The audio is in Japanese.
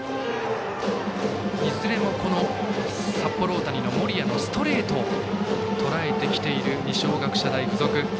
いずれも、札幌大谷の森谷のストレートをとらえてきている二松学舎大付属。